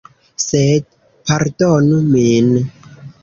Sed pardonu min.